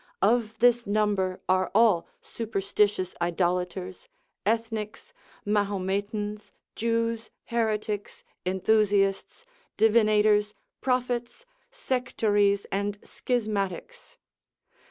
Of this number are all superstitious idolaters, ethnics, Mahometans, Jews, heretics, enthusiasts, divinators, prophets, sectaries, and schismatics.